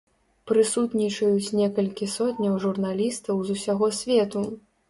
Прысутнічаюць некалькі сотняў журналістаў з усяго свету.